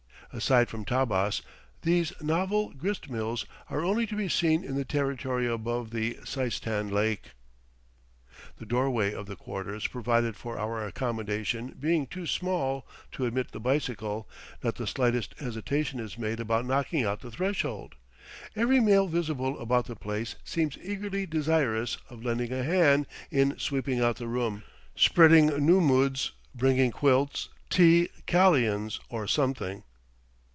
Aside from Tabbas, these novel grist mills are only to be seen in the territory about the Seistan Lake. The door way of the quarters provided for our accommodation being too small to admit the bicycle, not the slightest hesitation is made about knocking out the threshold. Every male visible about the place seems eagerly desirous of lending a hand in sweeping out the room, spreading nummuds, bringing quilts, tea, kalians, or something.